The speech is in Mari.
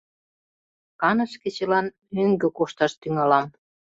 Каныш кечылан мӧҥгӧ кошташ тӱҥалам.